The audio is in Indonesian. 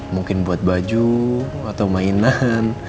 mungkin buat baju atau mainan